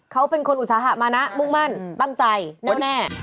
เขาเป็นคนอุตสาหะมานะมุ่งมั่นตั้งใจแน่